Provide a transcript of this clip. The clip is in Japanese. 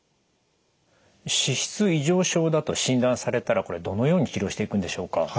脂質異常症だと診断されたらこれどのように治療していくんでしょうか？